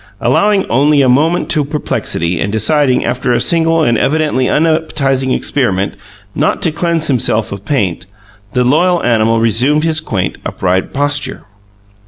Allowing only a moment to perplexity, and deciding, after a single and evidently unappetizing experiment, not to cleanse himself of paint, the loyal animal resumed his quaint, upright posture.